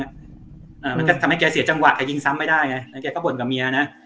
มันก็ทำให้แกเสียจังหวะแกยิงซ้ำไม่ได้ไงแล้วแกก็บ่นกับเมียนะ